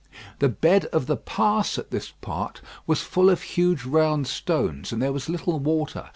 The bed of the pass at this part was full of huge round stones, and there was little water.